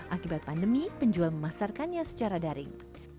akibat pandemi penjual memasarkannya secara daring